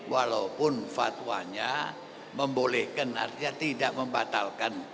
walaupun fatwanya membolehkan artinya tidak membatalkan